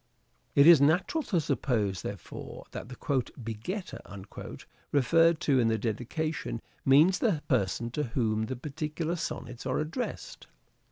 It is natural to suppose, therefore, that the " begetter " referred to in the dedication means the person to whom the particular sonnets are addressed.